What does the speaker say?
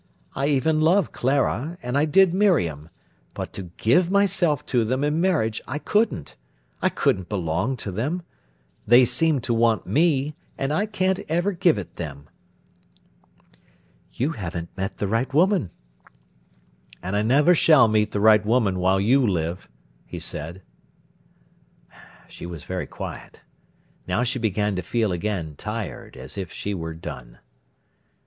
I even love Clara, and I did Miriam; but to give myself to them in marriage I couldn't. I couldn't belong to them. They seem to want me, and I can't ever give it them." "You haven't met the right woman." "And I never shall meet the right woman while you live," he said. She was very quiet. Now she began to feel again tired, as if she were done.